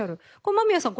間宮さん